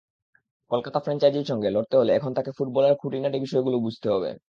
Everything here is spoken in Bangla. কলকাতা ফ্র্যাঞ্চাইজির সঙ্গে লড়তে হলে এখন তাকে ফুটবলের খুঁটিনাটি বিষয়গুলো বুঝতে হবে।